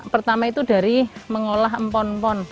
pertama itu dari mengolah empon empon